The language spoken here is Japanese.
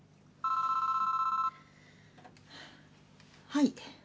はい。